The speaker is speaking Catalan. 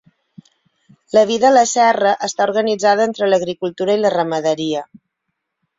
La vida a la serra està organitzada entre l'agricultura i la ramaderia.